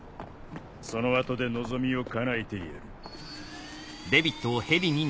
その後で望みをかなえてやる。